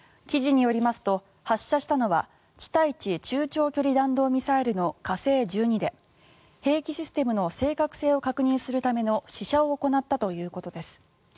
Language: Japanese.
記事によりますと発射したのは地対地中長距離弾道ミサイルの火星１２で兵器システムの正確性を確認するための試射を行ったということです。